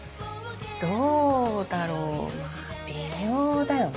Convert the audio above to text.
どうだろうまぁ微妙だよね。